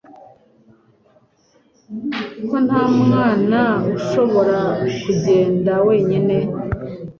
ko nta mwana ushobora kugenda wenyine